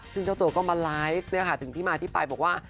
ซึ่งเจ้าตัวก็มาไลฟ์เนี่ยค่ะถึงที่มาที่ปลายบอกว่า